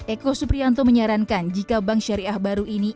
eko suprianto menyarankan jika bank syariah baru ini